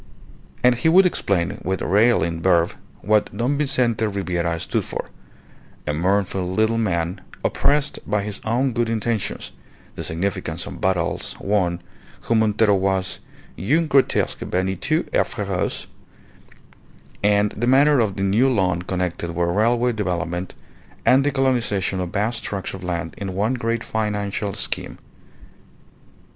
And he would explain with railing verve what Don Vincente Ribiera stood for a mournful little man oppressed by his own good intentions, the significance of battles won, who Montero was (un grotesque vaniteux et feroce), and the manner of the new loan connected with railway development, and the colonization of vast tracts of land in one great financial scheme.